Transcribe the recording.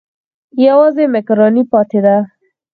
یوازې مېکاروني پاتې ده.